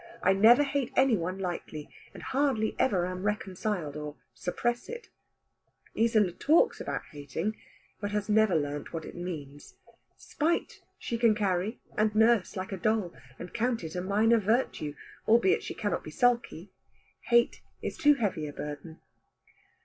I never hate any one lightly, and hardly ever am reconciled, or suppress it. Isola talks about hating, but has never learned what it means. Spite she can carry, and nurse like a doll, and count it a minor virtue, albeit she cannot be sulky; hate is too heavy a burden.